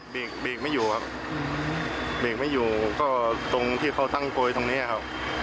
เบรกเบรกไม่อยู่ครับเบรกไม่อยู่ก็ตรงที่เขาตั้งโกยตรงนี้ครับ